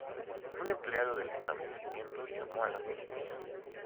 Un empleado del establecimiento llamó a la policía.